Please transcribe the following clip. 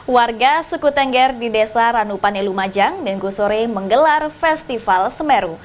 warga suku tengger di desa ranupane lumajang minggu sore menggelar festival semeru